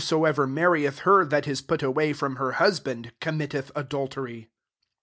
Boeverl marrieth her that is put away ffrom her husband], com mittetn adultery.